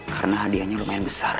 karena hadiahnya lumayan besar